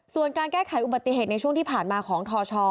ส่วนการแก้ไขอุบัติเหตุในช่วงที่ผ่านมาของทช